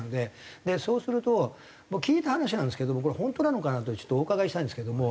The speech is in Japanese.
でそうすると聞いた話なんですけどこれ本当なのかなってお伺いしたいんですけども。